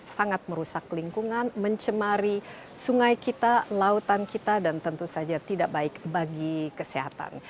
sangat merusak lingkungan mencemari sungai kita lautan kita dan tentu saja tidak baik bagi kesehatan